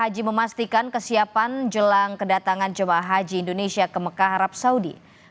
jemaah haji indonesia ke mekah harap saudi